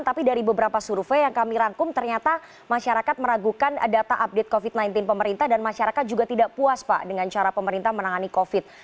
tapi dari beberapa survei yang kami rangkum ternyata masyarakat meragukan data update covid sembilan belas pemerintah dan masyarakat juga tidak puas pak dengan cara pemerintah menangani covid